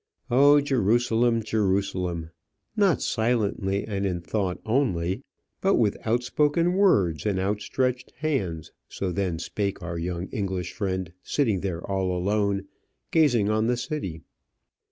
"O, Jerusalem, Jerusalem!" Not silently, and in thought only, but with outspoken words and outstretched hands, so then spake our young English friend, sitting there all alone, gazing on the city.